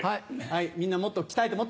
みんなもっと鍛えて。